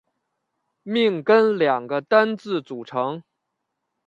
命根两个单字组成。